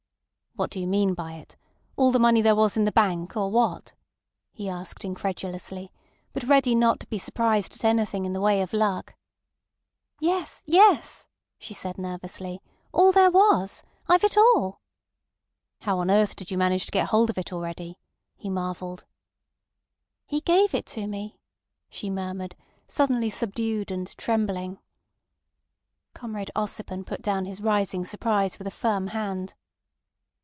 "What do you mean by it? All the money there was in the bank, or what?" he asked incredulously, but ready not to be surprised at anything in the way of luck. "Yes, yes!" she said nervously. "All there was. I've it all." "How on earth did you manage to get hold of it already?" he marvelled. "He gave it to me," she murmured, suddenly subdued and trembling. Comrade Ossipon put down his rising surprise with a firm hand.